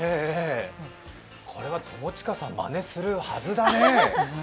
これは友近さんまねするはずだね。